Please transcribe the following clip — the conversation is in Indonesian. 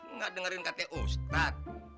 enggak dengerin katanya ustadz